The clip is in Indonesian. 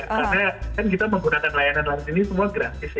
karena kan kita menggunakan layanan lain ini semua gratis ya